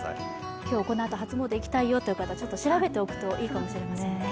今日このあと初詣行きたいよという方調べておくといいかもしれませんね。